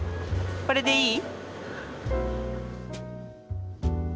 これでいい？